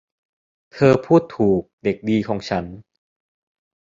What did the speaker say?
เธอพูดถูก เด็กดีของฉัน